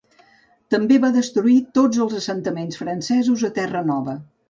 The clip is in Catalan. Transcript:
També va destruir tots els assentaments francesos a Terranova.